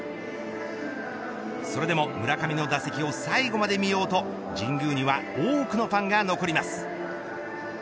それでも、村上の打席を最後まで見ようと神宮には多くのファンが残ります。